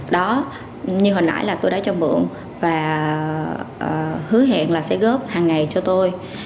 đó như hồi nãi là tôi đã cho mượn và hứa hẹn là sẽ góp hàng ngày cho tôi